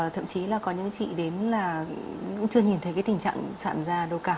thậm chí là có những chị đến là cũng chưa nhìn thấy cái tình trạng chạm ra đâu cả